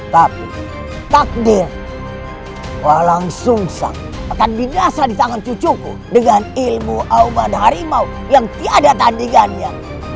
tapi takdir walang sung sang akan dinasadi tangan cucuku dengan ilmu auman harimau yang tiada tandigannya